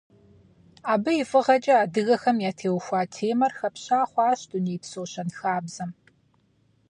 Абы и фӀыгъэкӀэ адыгэхэм ятеухуа темэр хэпща хъуащ дунейпсо щэнхабзэм.